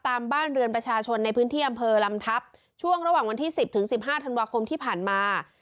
บ้านเรือนประชาชนในพื้นที่อำเภอลำทัพช่วงระหว่างวันที่สิบถึงสิบห้าธันวาคมที่ผ่านมา